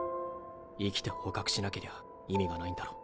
生きて捕獲しなけりゃ意味がないんだろ？